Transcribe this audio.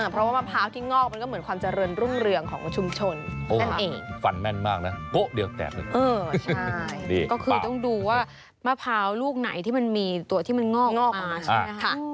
เพราะว่ามะพร้าวที่งอกมันก็เหมือนความเจริญรุ่งเรืองของชุมชนนั่นเองฟันแม่นมากนะก็คือต้องดูว่ามะพร้าวลูกไหนที่มันมีตัวที่มันงอกมา